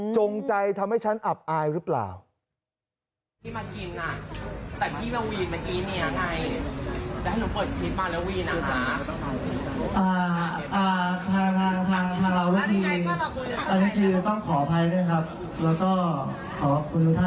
จงใจทำให้ฉันอับอายหรือเปล่า